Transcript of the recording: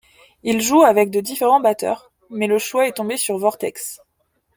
Ils jouent avec de différents batteurs, mais le choix est tombé sur Vortex.